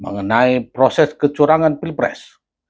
mengenai proses kecurangan pilpres